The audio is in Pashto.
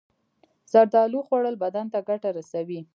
زردالو خوړل بدن ته ګټه رسوي.